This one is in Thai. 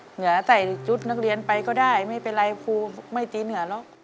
เหนือใส่ชุดนักเรียนไปก็ได้ไม่เป็นไรครูไม่ตีเหนือหรอก